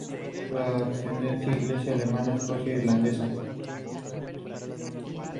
Posteriormente, fue a la Universidad de Illinois, donde aprendió análisis factorial con Raymond Cattell.